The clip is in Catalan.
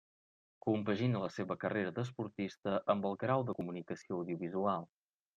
Compagina la seva carrera d'esportista amb el grau de Comunicació Audiovisual.